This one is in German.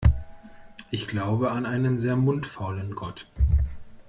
Ich glaube an einen sehr mundfaulen Gott.